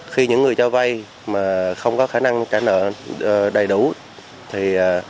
khi những người cho vay mà không có khả năng trả nợ đầy đủ thì